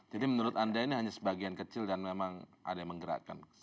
jadi menurut anda ini hanya sebagian kecil dan memang ada yang menggerakkan